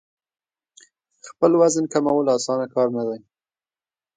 خپل وزن کمول اسانه کار نه دی.